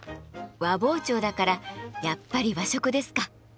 和包丁だからやっぱり和食ですか。